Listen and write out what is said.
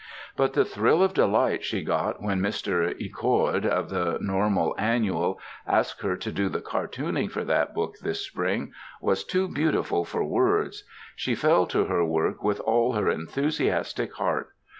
But the thrill of delight she got when Mr. Ecord, of the Normal Annual, asked her to do the cartooning for that book this spring, was too beautiful for words. She fell to her work with all her enthusiastic heart.